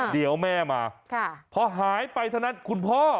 เดี๋ยวแม่มาพอหายไปเท่านั้นคุณพ่อ